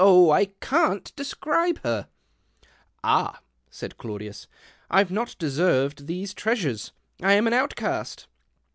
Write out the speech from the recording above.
Jh ! I can't describe her !" "Ah," said Claudius, "I've not deserved ;hese treasures ! I'm an outcast."